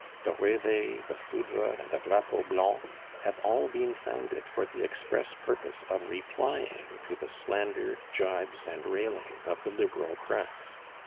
The Reveil, the Foudre, and the Drapeau Blanc have all been founded for the express purpose of replying to the slander, gibes, and railing of the Liberal press.